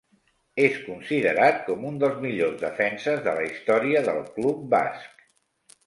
És considerat com un dels millors defenses de la història del club basc.